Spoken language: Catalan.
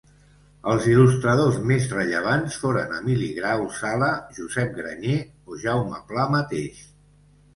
Els il·lustradors més rellevants foren Emili Grau Sala, Josep Granyer, o Jaume Pla mateix.